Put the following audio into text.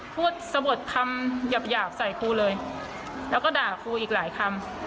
สะบดคำหยาบใส่ครูเลยแล้วก็ด่าครูอีกหลายคำ